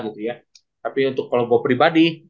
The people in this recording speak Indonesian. tapi untuk kalau gue pribadi